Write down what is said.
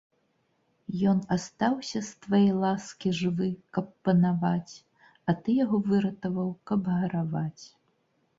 Ён астаўся, з твае ласкі, жывы, каб панаваць, а ты яго выратаваў, каб гараваць.